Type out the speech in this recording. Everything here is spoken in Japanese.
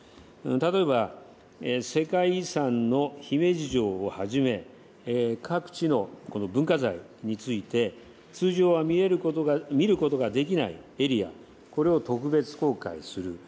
例えば、世界遺産の姫路城をはじめ、各地の文化財について、通常は見ることができないエリア、これを特別公開する。